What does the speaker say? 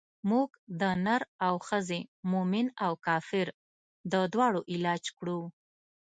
موږ د نر او ښځې مومن او کافر د دواړو علاج کړو.